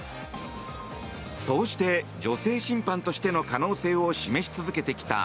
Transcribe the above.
そうして女性審判としての可能性を示し続けてきた